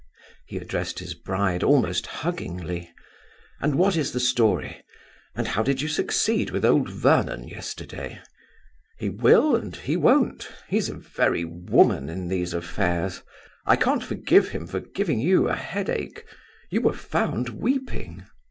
he addressed his bride almost huggingly; "and what is the story? and how did you succeed with old Vernon yesterday? He will and he won't? He's a very woman in these affairs. I can't forgive him for giving you a headache. You were found weeping."